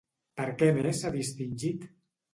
Per què més s'ha distingit?